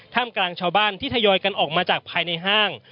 กลางชาวบ้านที่ทยอยกันออกมาจากภายในห้าง